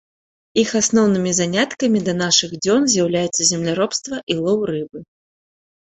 Іх асноўнымі заняткамі да нашых дзён з'яўляюцца земляробства і лоў рыбы.